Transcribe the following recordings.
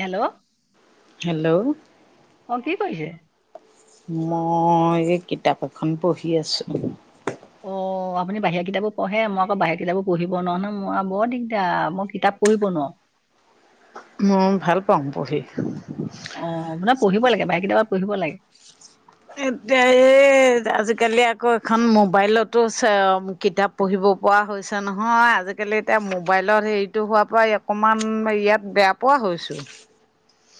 Hello! Hello অ'! কি কৰিছে? মই, এই কিতাপ এখন পঢ়ি আছোঁ। অ'! অ'! আপুনি বাহিৰা কিতাপো পঢ়ে? মই আকৌ, বাহিৰ কিতাপো পঢ়িব নোৱাৰোঁ নহয়, মই বৰ দিগদাৰ! মই কিতাপ পঢ়িব নোৱাৰোঁ। মই ভাল পাওঁ, পঢ়ি! অ'! আপোনাৰ পঢ়িব লাগ, [unintelligible] কেতিয়াবা পঢ়িব লাগে। [unintelligible] এই, আজিকালি আকৌ, এখন মোবাইলতো চ কিতাপ পঢ়িব পৰা হৈছে নহয়। আজিকালি, এতিয়া মোবাইলত সেৰিটো হোৱাৰ পৰাই অকণমান সেইয়া, বেয়া পোৱা পোৱা হৈছোঁ!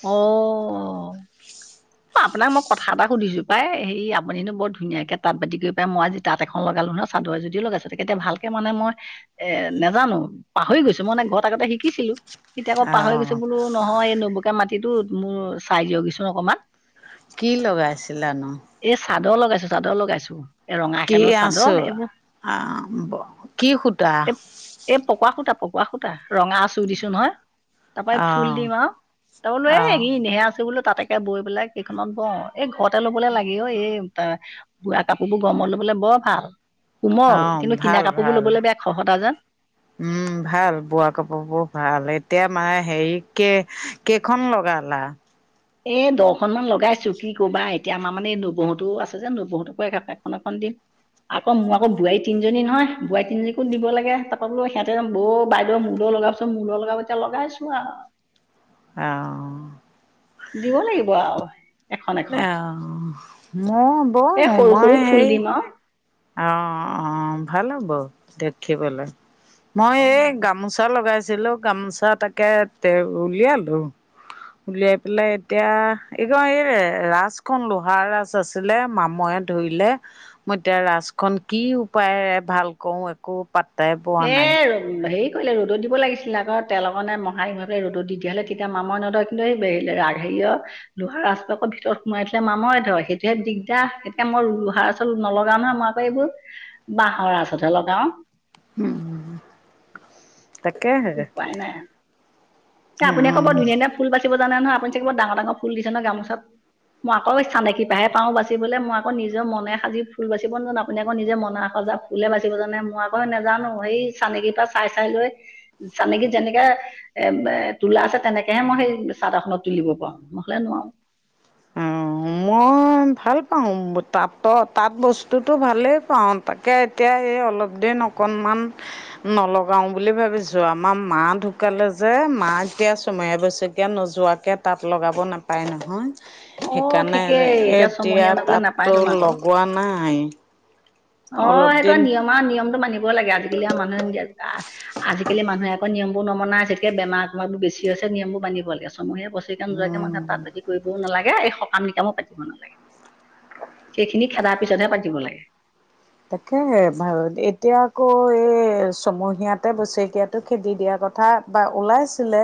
অ'! [inaudible] আপোনাক মই কথা এটা সুধিছোঁ পাই! সেই, আপুনিনো বৰ ধুনীয়াকৈ তাঁত-বাতি কৰিব পাই। মই আজি, তাঁত এখন লগালোঁ ন'! চাদৰ এজুতিও লগাইছোঁ। এতিয়া, ভালকে মানে, মই এ, নোজানোঁ, পাহৰি গৈছোঁ। মানে, ঘৰত আগতে শিকিছিলোঁ। এতিয়া আকৌ, অ পাহৰি গৈছোঁ বোলোঁ। নহয়, এই নবুকীয়া মাটিতটো মোৰ চাই দিয়কহি চোন অকমান? কি লগাইছিলানোঁ? এ, চাদৰ লগাইছোঁ, চাদৰ লগাইছোঁ। কি আঁচল? অ'! হ'ব, কি সূতা? এই এই, পকোৱা সূতা, পকোৱা সূতা, ৰঙা আঁচল দিছো নহয়। তাৰপৰা, অ ফুল দিম আৰু। তাৰ বোলোঁ অ এই, এনেহে আছোঁ বোলোঁ, তাঁতকে বৈ পেলাই, কেইখনত বওঁ। এই, ঘৰতে ল'বলৈ লাগি অ'! এই, বোৱা কাপোৰবোৰ গৰমত ল'বলে বৰ ভাল! অ কোমল! কিন্তু, ভাল কিনা কাপোৰবোৰ ভাল লবলৈ বেয়া! খহতা যে। উম, ভাল! বোৱা কাপোৰ বোৰ ভাল! এতিয়া মানে, সেৰি কে কেইখন লগালা? এই, দহখনমান লগাইছোঁ। কি ক'বা! এতিয়া, আমাৰ মানে, এই ন-বৌহঁতেও আছে যে, ন-বৌহেঁতকো এ, এখন-এখন দিম। আকৌ, মোৰ আকৌ, বোৱাৰী তিনজনী নহয়, বোৱাৰী তিনজনীকো দিব লাগে। তাৰপৰা বোলোঁ, সেয়াতে, বৌ, বাইদেউ, মোলৈ লগাম। ত মূললগা এতিয়া লগাইছো আও অঁ। দিব লাগিব আও অঁ, মই বৌ এই সৰু সৰু মই ফুল হেই দিম আৰু অঁ অঁ অঁ। ভাল হ'ব আও দেখিবলে মই অ এই গামোচা চা লগাইছিলো গামোচা তাকে তে উলিয়ালো উলিয়াই পেলাই এতিয়া এই কম এই ৰাজখন লোহাৰ ৰাজ আছিলে, মামই ধৰিলে। মই এতিয়া ৰাজখন কি উপায়েৰে ভাল কও একো পাত্তাই পোৱা নাই। এই হেৰি কৰিলে ৰ'দত দিব লাগিছিলে আক, তেল অকনে মোহাৰি ৰ'দত দি হ'লে তেতিয়া মামৰে নধই লৈ আহিবি ৰা সেইয় লোহাৰ ৰাসটো আক ভিতৰত সোমাই দিলে মামৰে ধয়ে, সেইটোহে দিগদাৰ এতিয়া মই লোহাৰ ৰাচত নলগাও নহয় মই এইবোৰ বাঁহৰ ৰাচতহে ল'গাও তাকেহে। এ আপুনি আক বৰ অ ধুনীয়া ধুনীয়া ফুল বাচিব জানে নহ আপুনি চাগে বৰ ডাঙৰ ডাঙৰ ফুল দিছে ন গামোচাত মই আকৌ স্থানে শিপাহে পা বাচিবলৈ মই ম মই আকৌচানেকিপা হে পাও বাচিবলে। মই আকৌ নিজে মনে সাজি ফুল বাচিব নাজানো আপুনি আকৌ নিজৰ মনে সজা ফুলে বাচিব জানে মই আকৌ নেজানো সেই চানেকীৰ পৰা চাই চাই লৈ চানেকীত যেনেকে এ এ তোলা আছে তেনেকেহে মই সেই চাদৰ এখনত তুলিব পাৰো নহ'লে নোৱাৰো। অঁ মই ই ভাল পাওঁ তাত তাঁত বস্তুতো ভালেই পাওঁ তাকে এতিয়া সেই অলপ দিন অকণমান নলগাও বুলি ভাবিছো আমাৰ মা ঢুকালে যে মা এতিয়া চুমহীয়া বছকীয়া নোযোৱা কে তাঁত লগাব নাপায় নহয়। অ সেইকাৰণে ঠিকেই ছমহীয়া এতিয়া নগলে তাঁততো নাপায়তোন আকৌ লগোৱা নাই অ' অলপ সেইটো দিন আৰু নিয়ম আ নিয়মটো মানিবই লাগে। আজিকালি আও মানুহে নিনাই আজিকালি মানুহে আকৌ নিয়মবোৰ নমনা হৈছে যেতিয়া বেমাৰ ছেমাৰ বেছি হৈছে নিয়মবো মানিব লাগে চমহীয়া বছকীয়া নোযোৱাকে উম, মানুহছ তাঁবাতি কৰিবও নালাগে এ সকাম নিকামো পাতিব নালাগে সেইখিনি খেদাৰ পিছতহে পাতিব লাগে। তাকেহে বাও এতিয়া আকৌ এই ছমহীয়াতে বছেকিয়াত টো খেদি দিয়া কথা বা ওলাইছিলে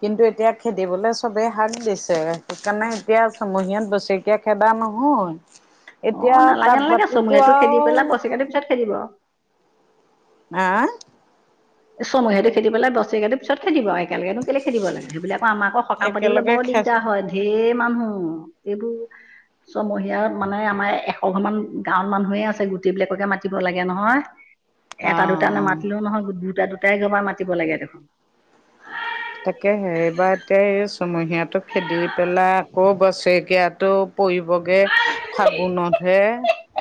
কিন্তু এতিয়া খেদিবলে চবে হাক দিছে, সেইকাৰণে এতিয়া ছমহীয়াত বছে কীয়া খেদা নহয়, এতিয়া তাঁত বাতিতো আও বছকীয়া টো পিছত খেদিব আও। আ চমহীয়াটো খেদি পেলাই বছৰেকীটো পিছত খদিব আৰু একেলগেনো কেলে খেদিব লাগে, সেইবিলাক আমাৰ আকৌ সকাম পাতিবলৈ একেলগে বৰ খে দিগদাৰ হয় ঢেৰ মানুহ এইবোৰ ছমহীয়াৰ মানে আমাৰ এশ ঘৰ মান গাঁৱত মানুহে আছে গোটেই বিলাককে মাতিব লাগে নহয় উ [inaudible] এটা দুটা নেমাতিলেও নহয় দুটা দুটাই একেবাৰ মাতিব লাগে দেখোন তাকেহে সেইবাৰ এতিয়া এই চুমহীয়াটো খেদি পেলাই আকৌ বছৰেকীয়াটো পৰিবগে ফাগুনতহে।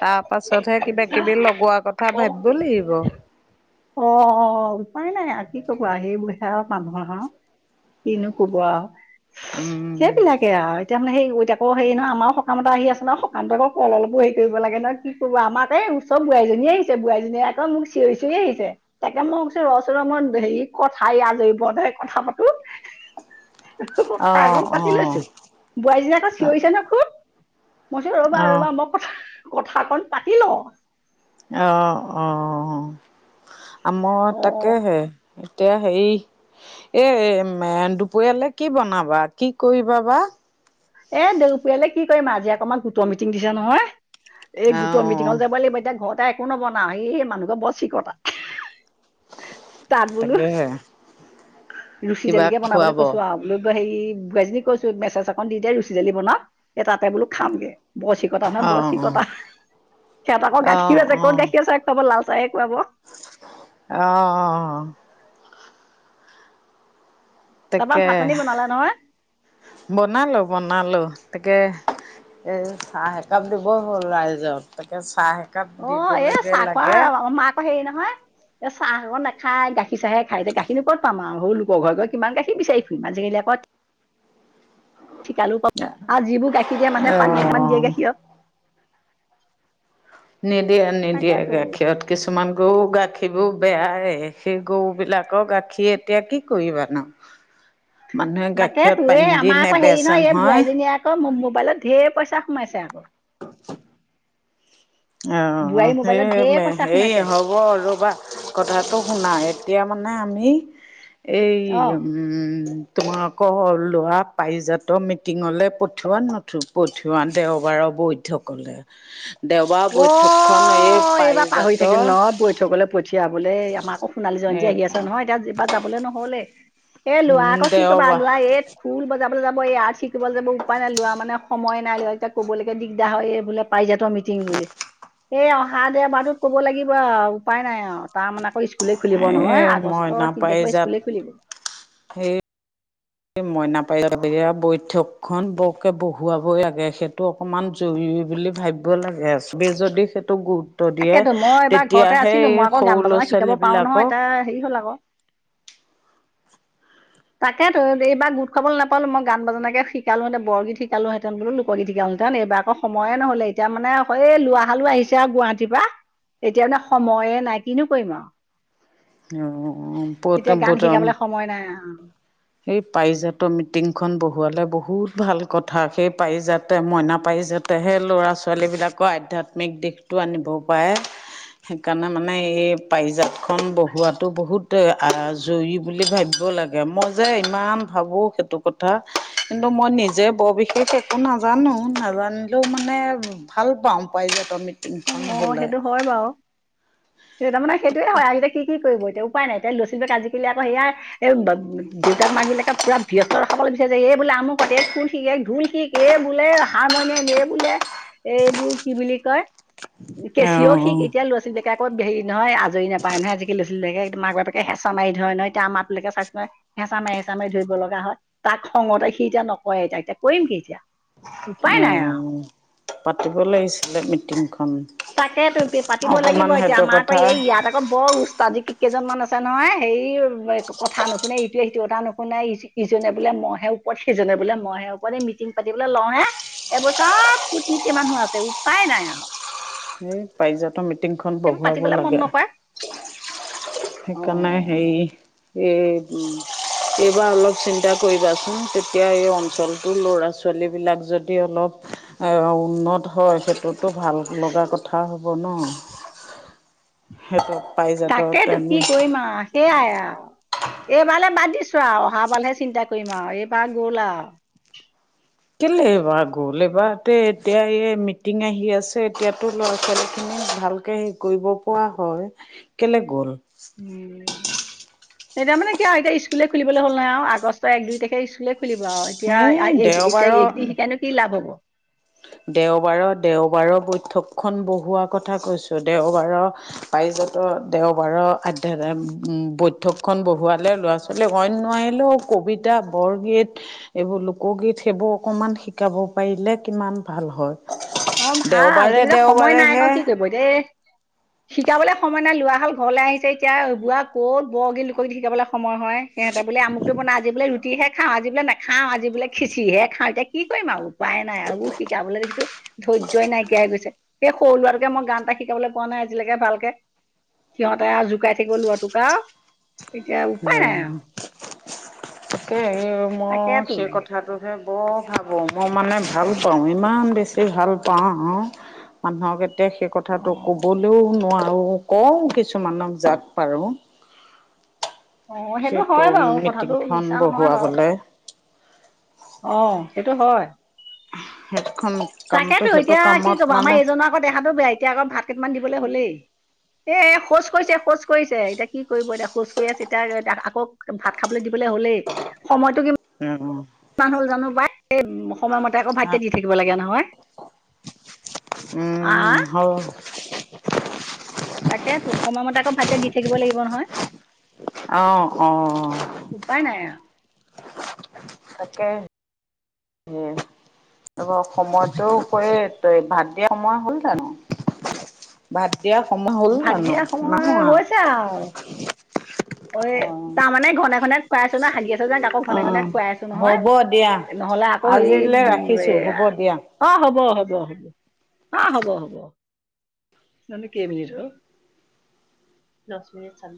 তাৰ পাছতহে কিবা কিবি লগোৱাৰ কথা ভাবিব লাগিব। অঁ, উপায় নাই আৰু কি কব আও আহি পৰিছে আও কামান আও কিনো ক'ব আও‌ উম সেইবিলাক সে আৰু এতিয়া মানে সেই এতিয়া হেৰি নহয় আমাৰ সকাম এটা আহি আছে নহয় সকামতে আকৌ কলো হেৰি কৰিব লাগে ন কি কব আমাক এই ওচৰ বোৱাৰীজনীয়ে আহিছে বোৱাৰী জনিয়ে মোক চিঞৰি চিঞৰি আহিছে, তাকে মই কছো ৰ চোন ৰ মই হেৰি কথাই আজৰি পৰত হে কথা পাতো। আহ অহ। বোৱাৰীজনী আকৌ চিঞৰিছে ন খুব মই কৈছোঁ ৰ'বা অ', ৰ'বা ম কথাকন পাতি লওঁ। অ অ আম' অ' তাকে হে এতিয়া হেৰি এই দুপৰীয়ালৈ কি বনাবা কি কৰিব বা? এ দেউপুৰীয়ালে কি কৰিম আজি অকণমান গোটৰ মিটিং দিছে নহয়। এই গোটৰ মিটিঙত অ', যাব লাগিব এতিয়া ঘৰত আৰু একো নবনাও এই মানুহ ঘৰত বৰ চিকতা। তাত বোলো তাকেহে ৰুচি কিবা জেলিকে বনাবলৈ খুৱাব কৈছো অ', আৰু। হেৰি বোৱাৰীজনী কৈছো মেছেজ এখন দি দে ৰুচী জেলী বনাওক এই তাতে বোলো খামগে বৰ চিকতা ন বৰ অ', চিকতা সিহঁতক গাখিও অ', আছে ক'ত গাখীৰৰ চাহ খুৱাব লাল চাহে খুৱাব। অহ - অহ। তাৰপৰা তাকে ভাত পানী বনালে নহয় বনালো বনালো তাকে এই চাহ এক একাপ দিবই হ'ল ৰাইজক তাকে চাহ একাপ অ এ দিবলৈকে চাহ কোৱা লাগে মাক অ হেৰি নহয় এ চাহ আকৌ নাখাই গাখীৰ চাহে খাই গাখীৰ নো ক'ত পাম আৰু সৰু ল ঘৰে ঘৰে কিমান গাখীৰ বিচাৰি ফুৰিম আজিকালি আকৌ ঠিকালো ক আৰু যিবোৰ গাখীৰ দিয়ে মানুহে পানী এগালমান দিয়া অ', গাখীৰ আৰু। নিদিয়ে নিদিয়ে তাকেতো গাখীৰত কিছুমান গৰু গাখীৰবোৰ বেয়াই সেই গৰুবিলাকৰ গাখীৰ এতিয়া কি কৰিবানো। [unintelligible] মানুহে গাখীৰত তাকেটো পানী এই দি আমাৰ আকৌ হেৰি নেবেচে নহয় এই বোৱাৰীজনীৰ আকৌ মোবাইলত ঢেৰ পইচা সোমাইছে আকৌ। অহ বোৱাৰী মোবাইলত সেই ঢেৰ - পইচা সোমাইছে সেৰি হব ৰ'বা কথাটো শুনা এতিয়া মানে আমি এই অ মম তোমালোকৰ ল'ৰা পাইিজাত মিটিঙলৈ পঠিওৱা নথ পঠিওৱা দেওবাৰ বৈ ঠকলে দেওবাৰ বৈঠকখন এই অ এইবাৰ পাহৰি পাৰিজাতৰ থাকিল নহয় বৈঠকলে পঠিয়াবলে আমাৰ আকৌ সোণালী এ জয়ন্তী আহি আছে নহয় এতিয়া যাবলৈ নহলে এই লৰা উম আকৌ কি কবা দেওবাৰ লৰা এই খোল বজাবলৈ যাব এই আৰ্ট শিকিবলৈ যাব উপায় নাই লোৱা মানে সময় নাই ল এতিয়া ক'বলৈকে দিগদাৰ হয় এই বোলে পাৰিজাতৰ বুলি এই অহা দেওবাৰটোত ক'ব লাগিব আৰু উপায় নাই আৰু তাৰ মানে আকৌ স্কুলে খুলিব নহয় এ মইনা আগষ্টৰ তিনি তাৰিখ পৰা পাৰিজাত স্কুলে খুলিব। সেই মইনা পাৰিজাতৰ বৈঠকখন বৰকে বহুৱাব লাগে সেইটো অকণমান জৰুৰী বুলি ভাবিব লাগে সবে যদি সেইটো গ তাকেতো মই এবাৰ ঘৰতে আছিলো মই আকৌ সৰু গান ল'ৰা বাজনা শিকাব ছোৱালী পাৰো নহয় বিলাকক তাৰ হেৰি হল আকৌ তাকেটো এইবাৰ গোত খাব নাপালো মই গান বাজানাকে শিকালোহেঁতেন বৰগীত শিকালোহেতেন এইবাৰ আকৌ সময়ে নহলে এতিয়া মানে এই লৱাহালো আহিছে আৰু গুৱাহাটীৰ পৰা এতিয়া মানে সময়ে নাই কিনো কৰিম আৰু। অহ। তেতিয়া গান শিকাবলৈ সময় নাই অ। সেই পাৰিজাতৰ মিটিংখন বহোৱালে বহুত ভাল কথা সেই পাৰিজাতে মইনা পাৰিজা তেহে ল'ৰা ছোৱালীবিলাকৰ আধ্যাত্মিক দিশটো আনিবও পাৰে। সেইকাৰণে মানে এই পাৰিজাত খম বহুৱাটো বহুত জৰুৰী বুলি ভাবিব লাগে মই যে ইমান ভাবোঁ সেইটো কথা কিন্তু মই নিজে বৰ বিশেষ একো নাজানো নাজানিলেও মানে ভাল পাওঁ পাৰজাত মিটিং অ সেইটো হয় বাৰু তাৰ মানে সেইটোয়ে হয় আজি কি কি কৰিব এতিয়া উপায় নাই [unintelligible] আজিকি আকৌ সেয়াই এই দেউতাক মাক বিলাকে পুৰা বৃস্ত ৰখাবলৈ বিচাৰে যে এই বোলে আমু কতে এক খুল শিকে ঢোল শিক। এই বোলে হাৰমনিয়ম এই বোলে এইবোৰ কি বুলি কয়। অঁ কেচিওিক এতিয়া ল'ৰা ছোৱালী বিলাকে হেৰিহয় আজৰি নাপায় নহয় আজি ল'ৰা-ছোৱালী বীলাকে মাক এক। এই হেঁচা মাৰি ধৰে ন এতিয়া আমাৰাতোলৈকে চাইছোয় হেঁচা মে হেঁচা মে ধৰিব লগা হয় তাক খঙতে সি এতিয়া নকয় এতিয়া এতিয়া কৰিম কি এতিয়া উপায় উ নাই আৰু পাতিব লাগিছিলে মিটিংখন। তাকে ত পাতিব লাগিব অকমান এতিয়া সেইটো আমাৰ আকৌ কথা এই ইয়াত আকৌ বৰ উস্তাদিক কি কেইজনমান আছে নহয় সে কথা নুশুনে ইটোৱে সিটো কথা নুশুনে ই। ইজনে বোলে ম ইহে ওপৰত সিজনে বোলে মইয়ে ওপৰৰত এই মিটিং পাতিবলে লওঁ হে এইবোৰ চব কূটনীতি মানুহ আছে উপায় নাই আও এই পাৰিজাত মিটিং খ সেইবোৰ বহুৱাব পাতিবলৈ মন লাগে নকৰে সেইকাৰণে অ সেই এই উ এইবাৰ অলপ চিন্তা কৰিবাচোন তেতিয়া এই অঞ্চলটোৰ ল'ৰা ছোৱালীবিলাক যদি অলপ অ উন্নত হয় সেইটোতো ভাল লগা কথা হ'ব ন সেইটো পাৰিজাত [unintelligible] কৈ মাছ [unintelligible] সেইাই আৰু এইবাৰ লে বাদ দিছো আৰু অহা বাৰলহে চিন্তা কৰিম আৰু এইবাৰ গ'ল আৰু। কেলে এইবাৰ গ'ল এইবাৰতে এতিয়া এই মিটিং আহি আছে এতিয়াতো ল'ৰা ছোৱালীখিনি ভাল। তে হেৰি কৰিব পৰা হয় কেলে গ'ল? উ এতিয়া মানে কিয় এতিয়া স্কুলে খুলিবলৈ হ'ল নাই আৰু আগষ্টৰ এক দুই তাৰিখে স্কুলে। খুলিব আৰু এতিয়া এই এতিয়া দেওবাৰৰ একদিন শিকাই নো কি লাভ হ'ব? দেওবাৰৰ দেওবাৰৰ বৈঠকখনন বহোৱা কথা কৈছো দেওবাৰৰ পাৰিজাত দেওবাৰৰ অধ্যয় বৈঠকখনন বহুৱালে লৰা, ছোৱালী। নোৱাৰিলে ওকবিতা বৰগীত। এইবোৰ লোকগীত সেইবোৰ অকমান শিকাব পাৰিলে কিমান ভাল হয়। অ ভাল দেওবাৰে কিন্তু এয়া সময় নাই আকৌ দেওবাৰেহে কি কৰিব এতি শিকাবলে সময় নাই লোৱা হ'ল। ঘৰলৈ আহিছে এতিয়া বোৱা ক'ত বৰগীত লোকগীত শিকিবলৈ সময় হয় সিহঁতে বোলে আমুকটো বনা আজি বোলে ৰুতি। টিহে খাওঁ আজি বোলে নাখাওঁ আজি বোলে খিঁচিহে খাওঁ এতিয়া কি কৰিম আৰু উপায়ে নাই আৰু বোৰ শিকাবলৈ দেখিছো। ধৈৰ্যই নাইকিয়া হৈ গৈছে সেই সৰু লৰাটোকে মই গান এটা শিকাবলৈ পোৱা নাই আজিলৈকে ভালকে। সিহঁতে আৰু জোকাই থাকিব লৰাটোক আও। উ তাকেই মই তাকেতো সেই কথাটো বৰ ভাবোঁ মই মানে ভাল পাওঁ ইমান বেছি ভাল পাওঁ আৰু। মানুহক এতিয়া সেই অ কথাটো ক'বলৈও নোৱাৰোঁ কওঁ কিছুমানক জাত পাৰোঁ। অ সেইটো সেই হয় বাৰু কথাটো মিটিংখন মিছা নহয় বাৰু। বহুৱাবলে অ সেইটো হয়। হেডখনোন [unintelligible] তাকেতো এতিয়া কি কব আমাৰ এইজনৰ আকৌ দেখাতটো বেয়া, এতিয়া আকৌ ভাত কেইটমান দিবলৈ হলেই। এ শৌচ কৰিছে শোচ কৰিছে এতিয়া কি কৰিব এতিয়া খোচ কৰি আছে এতিয়া আকৌ। একদম ভাত খাবলৈ দিবলৈ হলেই সময়তটো কি? উম উম। কিমান হ'ল জানো বাই সময়মতে আকৌ ভাইটিয়ে দি থাকিব লাগে নহয়। উম আহ হব। তাকেতো সময়মতে আকৌ ভাইটিয়ে দি থাকিব লাগিব নহয়। অঁ অঁ। উপায় নাই আৰু। তাকে উম। ত সময়টো উপৰি তই ভাত দিয়া সময় হ'ল জানো? ভাদ দিয়া সময় হ'ল আৰু ভাত জানো? দিয়া সময় নাহোৱা। অ এ তাৰমানে ঘনে ঘনে খুৱাই আছো না হাগি আছো যে আকৌ অ ঘনে ঘনে খুৱাই আছো নহয়, হ'ব দিয়া নহলে আকৌ হেই আজিলৈ উম ৰাখিছো এয়া হ'ব দিয়া অঁ হ'ব হ'ব, অঁ হ'ব হ'ব। জানো কেই মিনিট হল? দছ মিনিট চাল